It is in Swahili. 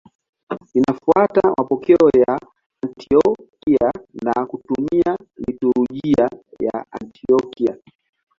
Linafuata mapokeo ya Antiokia na kutumia liturujia ya Antiokia.